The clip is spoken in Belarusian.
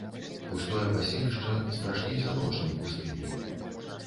Пустое паселішча страшней за ноч над пустыняй.